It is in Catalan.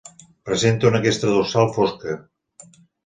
Presenta una cresta dorsal fosca.